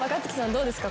どうですか？